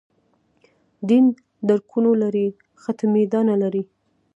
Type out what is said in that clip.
دین درکونو لړۍ ختمېدا نه لري.